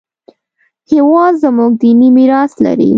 هېواد زموږ دیني میراث لري